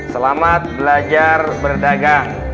selamat belajar berdagang